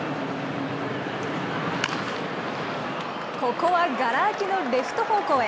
ここはがら空きのレフト方向へ。